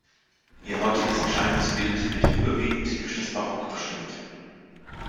Ihr heutiges Erscheinungsbild wird überwiegend durch das Barock bestimmt.